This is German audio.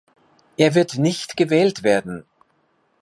Er wird nicht gewählt werden!